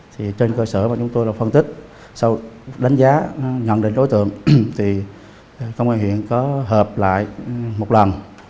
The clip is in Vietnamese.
thì trên cơ sở mà chúng tôi là phân tích sau đánh giá nhận định đối tượng thì công an huyện có hợp lại một lần